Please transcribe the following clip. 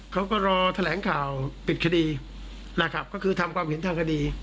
เขาก็รอแถลงข่าวปิดคดีนะครับก็คือทำความเห็นทางคดี